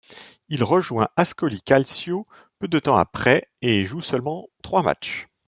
Il rejoint Ascoli Calcio peu de temps après, et joue seulement trois matchs.